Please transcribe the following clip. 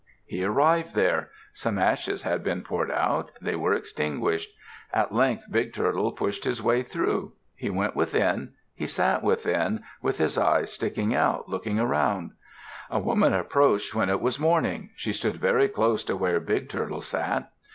He arrived there. Some ashes had been poured out. They were extinguished. At length Big Turtle pushed his way through. He went within. He sat within, with his eyes sticking out, looking around. A woman approached when it was morning. She stood very close to where Big Turtle sat.